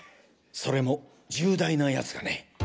それも重大なやつがね！